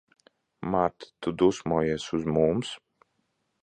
Marta, tu dusmojies uz mums?